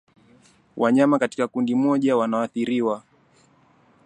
wanyama katika kundi moja wanaoathiriwa